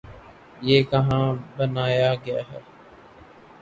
یہ کہاں بنایا گیا ہے؟